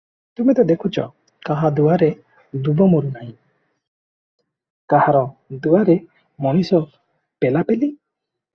ତୁମେ ତ ଦେଖୁଛ, କାହା ଦୁଆରେ ଦୂବ ମରୁ ନାହିଁ, କାହାର ଦୁଆରେ ମଣିଷ ପେଲାପେଲି ।